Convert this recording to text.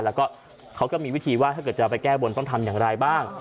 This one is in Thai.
แล้วก็เขาก็มีวิธีว่าถ้าเกิดจะไปแก้บนต้องทำอย่างไรบ้าง